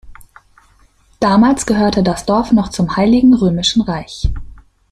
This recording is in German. Damals gehörte das Dorf noch zum Heiligen Römischen Reich.